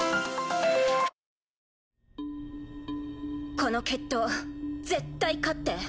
この決闘絶対勝って。